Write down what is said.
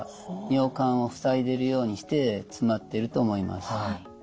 尿管を塞いでるようにして詰まってると思います。